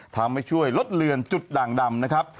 ทำให้ช่วยลดเลือนจุดด่างดำนะครับ